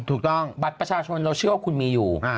ถูกต้องบัตรประชาชนเราเชื่อว่าคุณมีอยู่